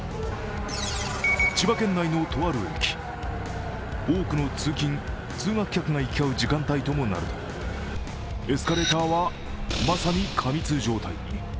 千葉県内のとある駅、多くの通勤・通学客が行き交う時間帯ともなるとエスカレーターはまさに過密状態に。